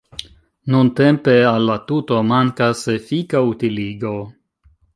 Nuntempe al la tuto mankas efika utiligo.